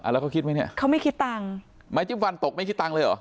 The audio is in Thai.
แล้วเขาคิดไหมเนี่ยเขาไม่คิดตังค์ไม้จิ๊บฟันตกไม่คิดตังค์เลยเหรอ